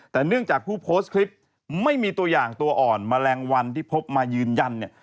แต่เนื่องจากผู้โพสต์คลิปไม่มีตัวอย่างตัวอ่อนแมลงวันที่พบมายืนยันเนี่ย